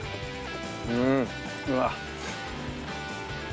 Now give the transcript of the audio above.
うんうわ。